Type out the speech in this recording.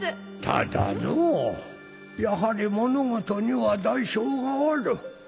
ただのうやはり物事には代償がある。